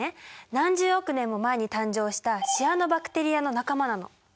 何十億年も前に誕生したシアノバクテリアの仲間なの。